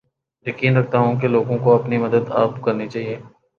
یقین رکھتا ہوں کے لوگوں کو اپنی مدد آپ کرنی چاھیے